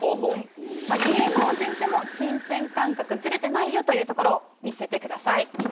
芸能人でも金銭感覚ズレてないよというところを見せてください。